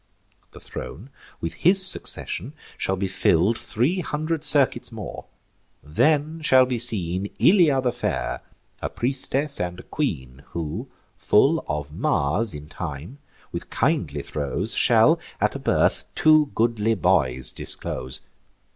The throne with his succession shall be fill'd Three hundred circuits more: then shall be seen Ilia the fair, a priestess and a queen, Who, full of Mars, in time, with kindly throes, Shall at a birth two goodly boys disclose.